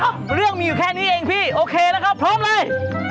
เรื่องมีอยู่แค่นี้เองพี่โอเคนะครับพร้อมเลย